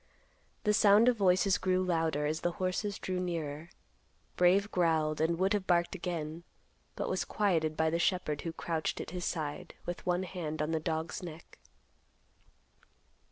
The sound of voices grew louder as the horses drew nearer. Brave growled and would have barked again, but was quieted by the shepherd, who crouched at his side, with one hand on the dog's neck.